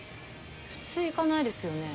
普通行かないですよね。